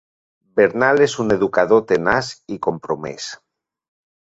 Bernal és un educador tenaç i compromès.